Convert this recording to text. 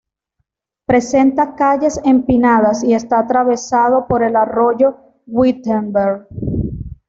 Presenta calles empinadas y está atravesado por el arroyo Wittenberg.